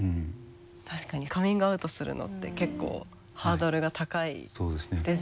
確かにカミングアウトするのって結構ハードルが高いですよね。